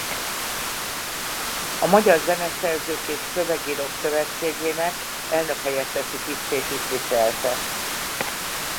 A Magyar Zeneszerzők és Szövegírók Szövetségének elnökhelyettesi tisztét is viselte.